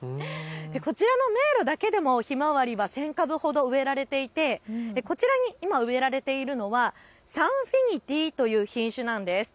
こちらの迷路だけでもひまわりは１０００株ほど植えられていてこちらに植えられているのはサンフィニティという品種なんです。